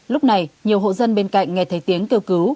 lúc này nhiều hộ dân bên cạnh nghe thấy tiếng kêu cứu